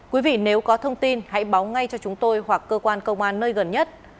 quý vị nếu có thông tin hãy báo ngay cho chúng tôi hoặc cơ quan công an nơi gần nhất